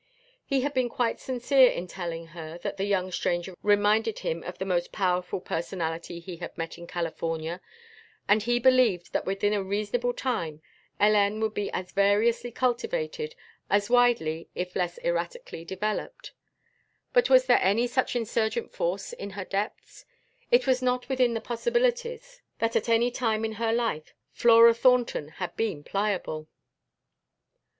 He had been quite sincere in telling her that the young stranger reminded him of the most powerful personality he had met in California, and he believed that within a reasonable time Hélène would be as variously cultivated, as widely, if less erratically developed. But was there any such insurgent force in her depths? It was not within the possibilities that at any time in her life Flora Thornton had been pliable.